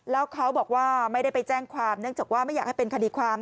แล้วเขาบอกว่าไม่ได้ไปแจ้งความเนื่องจากว่าไม่อยากให้เป็นคดีความ